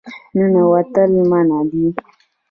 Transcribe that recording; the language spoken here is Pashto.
ننوتل منع دي